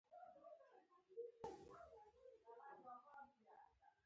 تعلیم د رڼا مشعل دی.